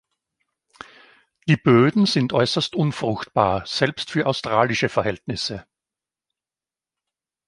Die Böden sind äußerst unfruchtbar, selbst für australische Verhältnisse.